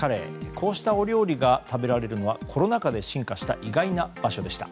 こうしたお料理が食べられるのはコロナ禍で進化した意外な場所でした。